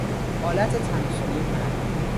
آلت تناسلی مرد